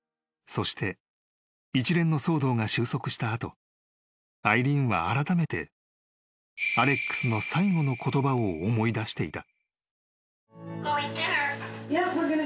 ［そして一連の騒動が収束した後アイリーンはあらためてアレックスの最後の言葉を思い出していた］